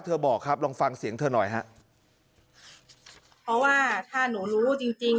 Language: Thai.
บอกครับลองฟังเสียงเธอหน่อยฮะเพราะว่าถ้าหนูรู้จริงจริง